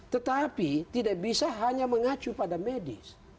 tetapi tidak bisa hanya mengacu pada medis